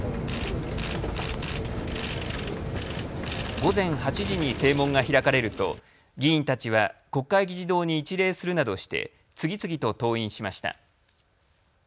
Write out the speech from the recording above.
午前８時に正門が開かれると議員たちは国会議事堂に一礼するなどして次々と登院しました。